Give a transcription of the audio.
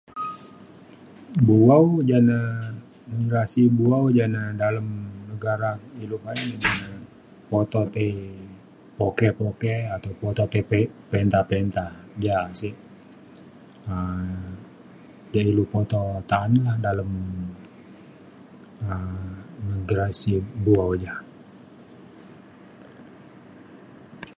bu'au ja na gerasi bu'au ja na dalem negara ilu kaei ja ne motor tai poke poke atau tai pinta pinta ja sik um tei ilu po to ta'an la dalem um gerasi bu'au ja